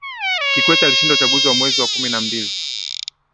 kikwete alishinda uchaguzi wa mwezi wa kumi na mbili